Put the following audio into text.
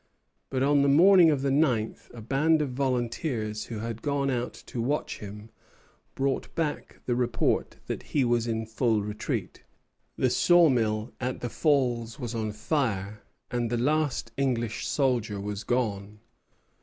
But, on the morning of the ninth, a band of volunteers who had gone out to watch him brought back the report that he was in full retreat. The saw mill at the Falls was on fire, and the last English soldier was gone.